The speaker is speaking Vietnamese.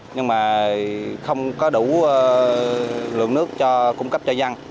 nhưng mà không có đủ lượng nước cho cung cấp cho dân